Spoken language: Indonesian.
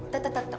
tidak tidak tidak